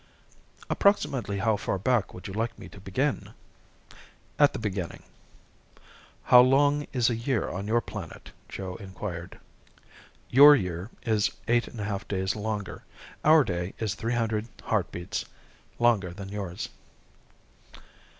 "Approximately how far back would you like me to begin?" "At the beginning." "How long is a year on your planet?" Joe inquired. "Your year is eight and a half days longer. Our day is three hundred heartbeats longer than yours."